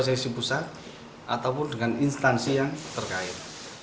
kenal pssi pusat ataupun dengan instansi yang terkait